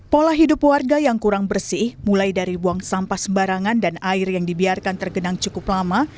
pola hidup warga yang kurang bersih mulai dari buang sampah sembarangan dan air yang dibiarkan tergenang cukup lama